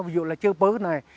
ví dụ là chơ bớt này